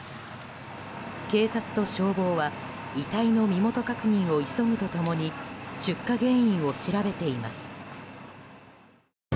警察と消防は遺体の身元確認を急ぐと共に出火原因を調べています。